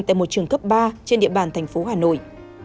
tại một trường cấp ba trên địa bàn thành phố hà nội